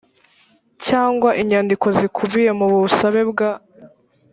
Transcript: cyangwa inyandiko zikubiye mu busabe bwa